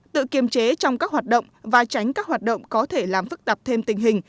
tự kiềm chế trong các hoạt động và tránh các hoạt động có thể làm phức tạp thêm tình hình